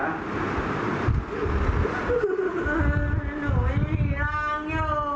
หนูไม่ได้มีร้างอยู่